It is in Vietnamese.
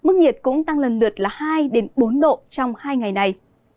mức nhiệt cũng tăng lần lượt là hai bốn độ trong hai ngày này